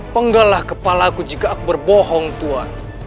penggalah kepala aku jika aku berbohong tua